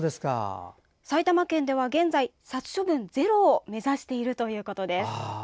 埼玉県では現在、殺処分ゼロを目指しているということです。